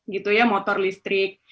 gitu ya motor listrik